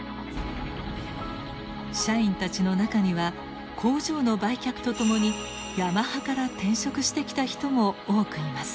社員たちの中には工場の売却とともにヤマハから転職してきた人も多くいます。